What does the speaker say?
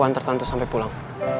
antar tante sampai pulang